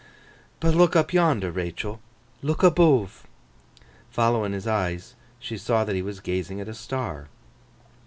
But look up yonder, Rachael! Look aboove!' Following his eyes, she saw that he was gazing at a star.